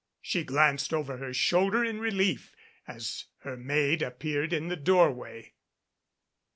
She glanced over her shoulder in relief as her maid ap peared in the doorway.